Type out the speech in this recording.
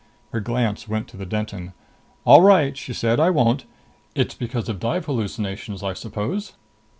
Her glance went to the Denton. "All right," she said. "I won't. It's because of dive hallucinations, I suppose?"